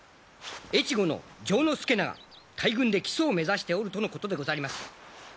越後の城資長大軍で木曽を目指しておるとのことでござります。